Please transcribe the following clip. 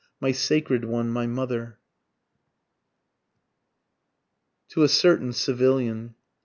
My sacred one, my mother. TO A CERTAIN CIVILIAN.